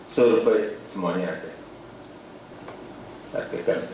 survei semuanya ada